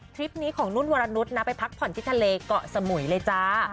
คลิปนี้ของนุ่นวรนุษย์นะไปพักผ่อนที่ทะเลเกาะสมุยเลยจ้า